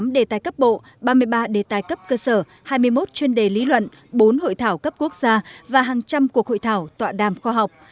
một mươi đề tài cấp bộ ba mươi ba đề tài cấp cơ sở hai mươi một chuyên đề lý luận bốn hội thảo cấp quốc gia và hàng trăm cuộc hội thảo tọa đàm khoa học